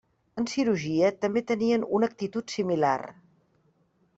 En cirurgia també tenien una actitud similar.